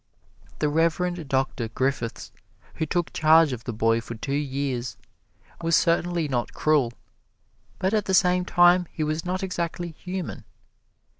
The Reverend Doctor Griffiths, who took charge of the boy for two years, was certainly not cruel, but at the same time he was not exactly human.